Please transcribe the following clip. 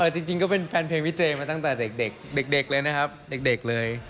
จริงก็เป็นแฟนเพลงพี่เจมาตั้งแต่เด็กเลยนะครับเด็กเลย